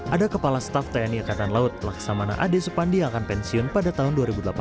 ada kepala staff tni angkatan laut laksamana ade supandi yang akan pensiun pada tahun dua ribu delapan belas